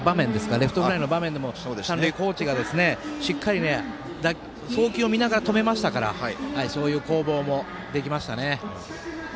レフトフライの場面でも三塁コーチがしっかり送球を見ながら止めましたからそういう攻防もできましたね。